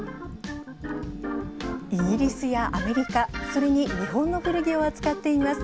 イギリスやアメリカ、それに日本の古着を扱っています。